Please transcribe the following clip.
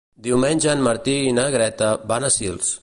Diumenge en Martí i na Greta van a Sils.